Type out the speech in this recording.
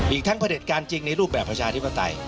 อีกทั้งพระเด็จการจริงในรูปแบบประชาธิปไตย